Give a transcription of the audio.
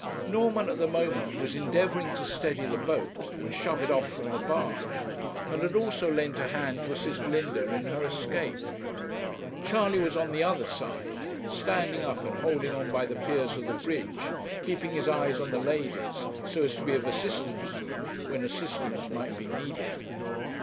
Norman, at the moment, was endeavouring to steady the boat, and shove it off from the barge, and had also lent a hand to assist Linda in her escape. Charley was on the other side, standing up and holding on by the piers of the bridge, keeping his eyes on the ladies, so as to be of assistance to them when assistance might be needed.